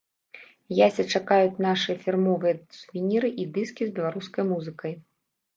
Яся чакаюць нашыя фірмовыя сувеніры і дыскі з беларускай музыкай.